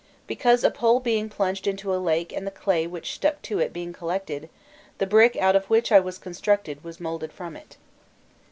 Because, a pole being plunged into a lake and the clay which stuck to it being collected, the brick out of which I was constructed was moulded from it."